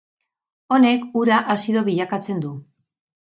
Honek ura azido bilakatzen du.